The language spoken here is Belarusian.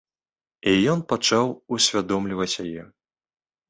І ён пачаў усвядомліваць яе.